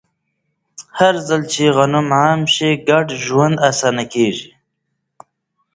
هرځل چې زغم عام شي، ګډ ژوند اسانه کېږي.